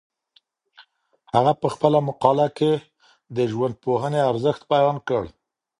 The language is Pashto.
هغه په خپله مقاله کي د ژوندپوهنې ارزښت بیان کړ.